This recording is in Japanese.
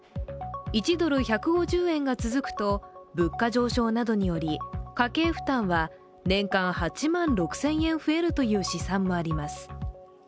１ドル＝１５０円が続くと、物価上昇などにより家計負担は年間８万６０００円増えるという試算もあります。